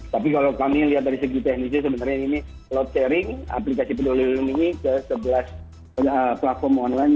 tapi kalau kami lihat dari segi teknisnya sebenarnya ini load sharing aplikasi peduli lindungi ke sebelas platform online